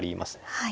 はい。